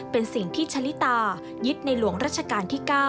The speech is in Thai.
เป็นสิ่งที่ชะลิตายึดในหลวงรัชกาลที่๙